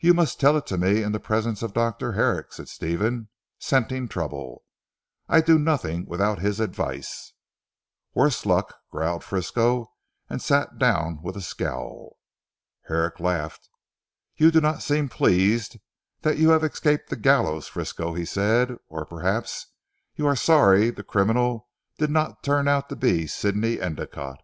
"You must tell it to me in the presence of, Dr. Herrick," said Stephen, scenting trouble; "I do nothing without his advice." "Worse luck," growled Frisco, and sat down with a scowl. Herrick laughed. "You do not seem pleased that you have escaped the gallows, Frisco," he said, "or perhaps you are sorry the criminal did not turn out to be Sidney Endicotte."